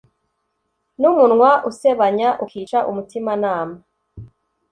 n'umunwa usebanya ukica umutimanama